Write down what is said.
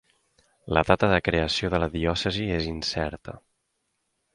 La data de creació de la diòcesi és incerta.